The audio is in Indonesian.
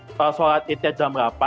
setelah sholat itu jam delapan